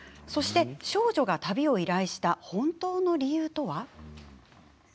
そして、少女が旅を依頼した本当の理由とは？